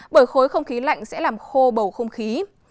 bởi khối không khí lạnh sẽ làm khô bầu không khí